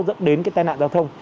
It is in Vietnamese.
dẫn đến cái tai nạn giao thông